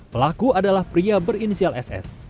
pelaku adalah pria berinisial ss